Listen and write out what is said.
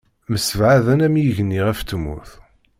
Msebɛaden am yigenni ɣef tmurt.